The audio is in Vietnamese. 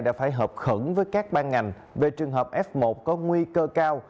đã phải hợp khẩn với các ban ngành về trường hợp f một có nguy cơ cao